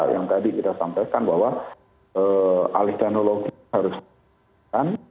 yang tadi kita sampaikan bahwa alih teknologi harus diperlukan